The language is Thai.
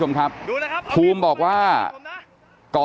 เฮ้ยเฮ้ย